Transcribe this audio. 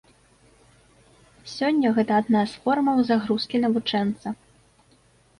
Сёння гэта адна з формаў загрузкі навучэнца.